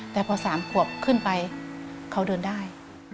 แต่พอ๓ขวบขึ้นไปเขาเดินได้